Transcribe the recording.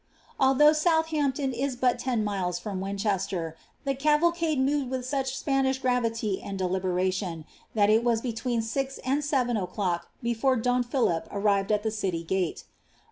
Although Southampton is but ten miles from Winchester, the caval cade moved with such Spanish gravity and deliberation, that it was between six and seven o'clock before don Philip arrived at the city fate.